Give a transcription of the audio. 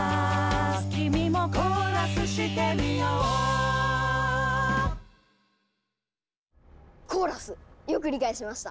「君もコーラスしてみよう」「コーラス」よく理解しました！